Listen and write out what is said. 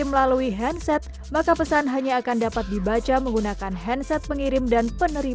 pelan pelan mengenai data pendapat di sepuluh bank selama setengah menit